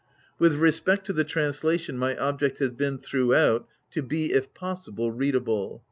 With respect to the translation, my object has been, throughout, to be, if possible, readable.